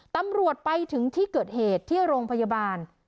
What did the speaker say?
ตำรวจไปถึงที่เกิดเหตุที่โรงพยาบาล